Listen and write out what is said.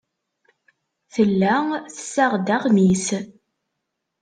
Tella tessaɣ-d aɣmis.